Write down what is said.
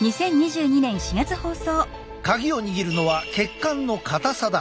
鍵を握るのは血管の硬さだ。